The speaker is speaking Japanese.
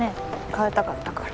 変えたかったから。